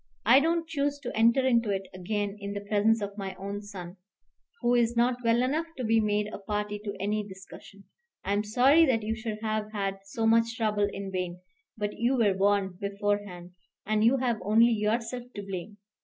I don't choose to enter into it again in the presence of my son, who is not well enough to be made a party to any discussion. I am sorry that you should have had so much trouble in vain, but you were warned beforehand, and you have only yourself to blame.